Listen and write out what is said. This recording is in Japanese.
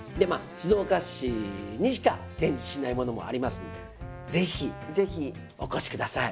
静岡市にしか展示しないものもありますんで是非お越しください。